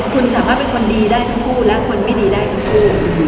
คุณสามารถเป็นคนดีได้ทั้งคู่และคนไม่ดีได้ทั้งคู่